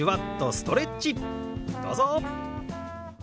どうぞ！